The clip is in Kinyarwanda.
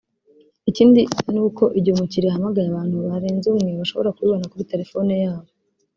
Ikindi ni uko igihe umukiliya ahamagaye abantu barenze umwe bashobora kubibona kuri telefoni yabo